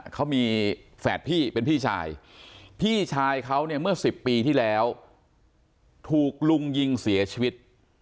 เขามีแฝดพี่เป็นพี่ชายพี่ชายเขาเนี่ยเมื่อ๑๐ปีที่แล้วถูกลุงยิงเสียชีวิต